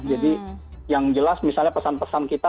jadi yang jelas misalnya pesan pesan kita